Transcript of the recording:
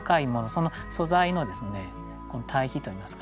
その素材の対比といいますかね